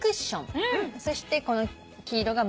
そしてこの黄色が。